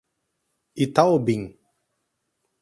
Itaobim